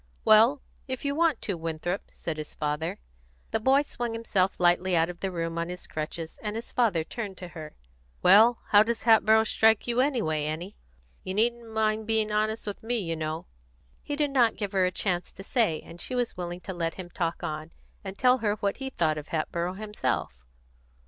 "Well, if you want to, Winthrop," said his father. The boy swung himself lightly out of the room on his crutches, and his father turned to her. "Well, how does Hatboro' strike you, anyway, Annie? You needn't mind being honest with me, you know." He did not give her a chance to say, and she was willing to let him talk on, and tell her what he thought of Hatboro' himself.